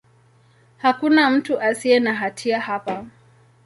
Hakuna mtu asiye na hatia hapa.